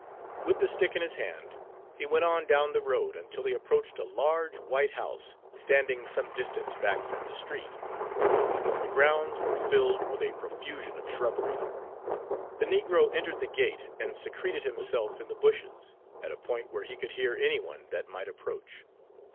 With the stick in his hand, he went on down the road until he approached a large white house standing some distance back from the street. The grounds were filled with a profusion of shrubbery. The negro entered the gate and secreted himself in the bushes, at a point where he could hear any one that might approach.